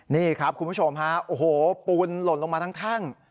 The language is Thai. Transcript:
นี่ครับคุณผู้ชมฮะโอ้โหปูนหล่นลงมาทั้งแท่ง